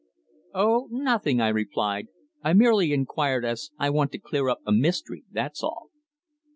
"Oh nothing," I replied. "I merely inquired as I want to clear up a mystery that's all."